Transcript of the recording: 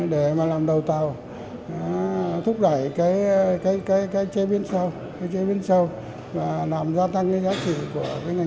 để mà làm đầu tàu thúc đẩy cái chế biến sâu và làm gia tăng cái giá trị của cái ngành điều